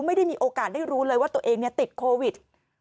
ไม่ได้มีโอกาสได้รู้เลยว่าตัวเองติดโควิด